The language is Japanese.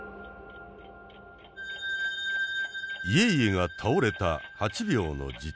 家々が倒れた８秒の時点。